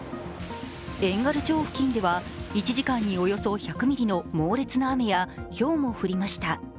遠軽町付近では１時間におよそ１００ミリの猛烈な雨やひょうも降りました。